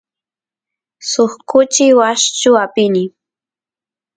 suk kuchi washchu apini